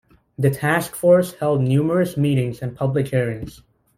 The task force held numerous meetings and public hearings.